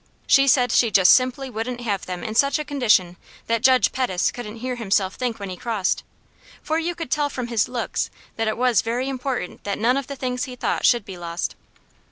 She said she just simply wouldn't have them in such a condition that Judge Pettis couldn't hear himself think when he crossed; for you could tell from his looks that it was very important that none of the things he thought should be lost.